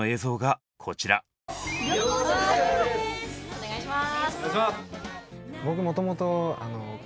お願いします。